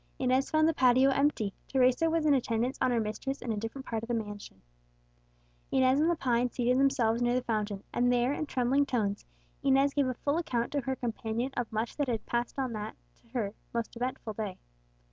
Inez found the patio empty; Teresa was in attendance on her mistress in a different part of the mansion. Inez and Lepine seated themselves near the fountain, and there, in trembling tones, Inez gave a full account to her companion of much that had passed on that, to her, most eventful day.